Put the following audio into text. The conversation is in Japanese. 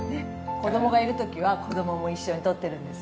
子供がいるときは子供も一緒に撮ってるんですよ